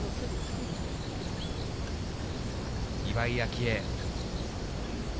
岩井明愛。